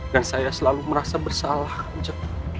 dan saya selalu merasa bersalah kanca